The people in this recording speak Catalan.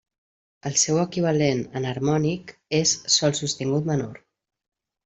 El seu equivalent enharmònic és sol sostingut menor.